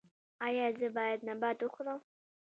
ایا زه باید نبات وخورم؟